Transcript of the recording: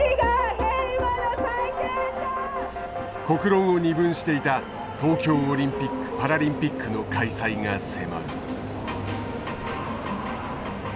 国論を二分していた東京オリンピック・パラリンピックの開催が迫る。